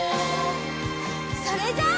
それじゃあ。